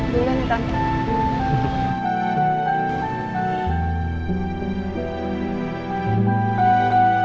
berdua nih tante